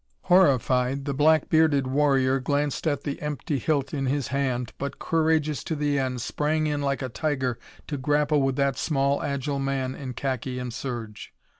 Horrified, the black bearded warrior glanced at the empty hilt in his hand but, courageous to the end, sprang in like a tiger to grapple with that small, agile man in khaki and serge.